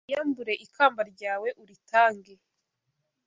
wiyambure ikamba ryawe uritange